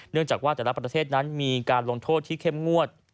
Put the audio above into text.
จากว่าแต่ละประเทศนั้นมีการลงโทษที่เข้มงวด